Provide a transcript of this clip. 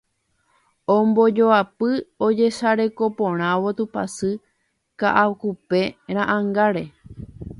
ombojoapy ojesarekoporãvo Tupãsy Ka'akupe ra'ãngáre.